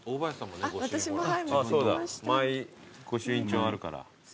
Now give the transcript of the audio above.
マイ御朱印帳あるから。